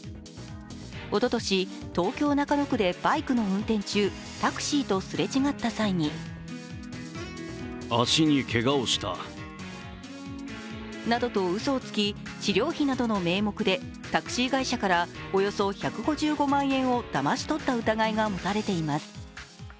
おととし、東京・中野区でバイクの運転中、タクシーとすれ違った際になどとうそをつき、治療費などの名目でタクシー会社からおよそ１５５万円をだまし取った疑いがもたれています。